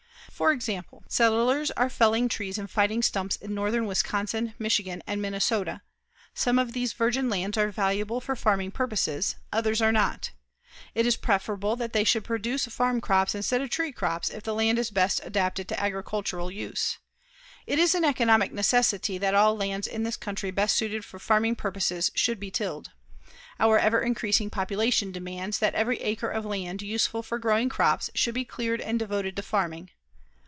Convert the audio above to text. For example, settlers are felling trees and fighting stumps in northern Wisconsin, Michigan, and Minnesota. Some of these virgin lands are valuable for farming purposes, others are not. It is preferable that they should produce farm crops instead of tree crops if the land is best adapted to agricultural use. It is an economic necessity that all lands in this country best suited for farming purposes should be tilled. Our ever increasing population demands that every acre of land useful for growing crops should be cleared and devoted to farming.